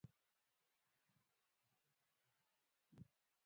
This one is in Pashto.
کلي د افغانستان د طبیعي زیرمو برخه ده.